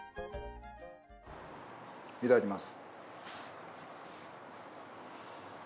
いただきます。